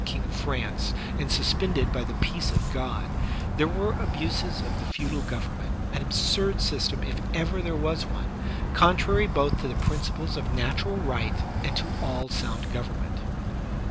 king of France, and suspended by the Peace of God, they were abuses of the feudal government, an absurd lo THE SOCIAL CONTRACT system if ever there was one, contrary both to the principles of natural right and to all sound government.